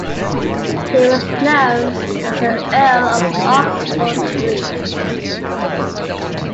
He was known as the 'Earl of Oxford Street'.